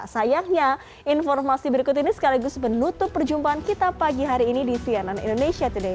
sayangnya informasi berikut ini sekaligus menutup perjumpaan kita pagi hari ini di cnn indonesia today